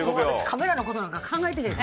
カメラのことなんか考えてへん。